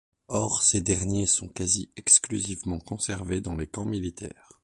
Or ces derniers sont quasi exclusivement conservés dans les camps militaires.